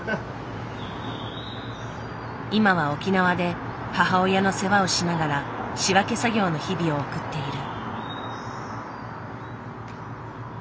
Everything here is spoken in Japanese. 今は沖縄で母親の世話をしながら仕分け作業の日々を送っている。